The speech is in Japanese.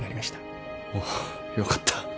よかった。